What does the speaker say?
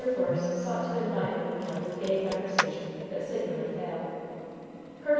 Force sought to enliven the meal with gay conversation, but signally failed. Col.